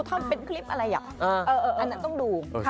อันนน่ะต้องดู